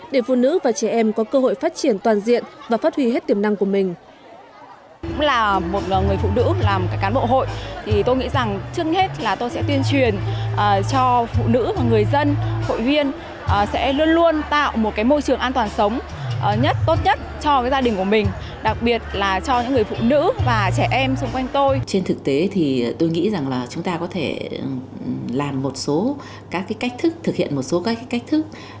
để phụ nữ và trẻ em có cơ hội phát triển toàn diện và phát huy hết tiềm năng của mình